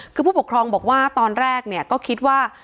คือผู้ปกครองบอกว่าตอนแรกเนี่ยก็คิดว่า